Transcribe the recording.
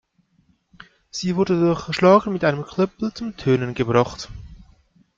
Sie wurde durch Schlagen mit einem Klöppel zum Tönen gebracht.